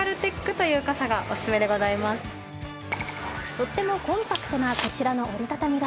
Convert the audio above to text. とってもコンパクトなこちらの折り畳み傘。